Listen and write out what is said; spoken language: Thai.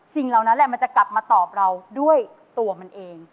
เหล่านั้นแหละมันจะกลับมาตอบเราด้วยตัวมันเอง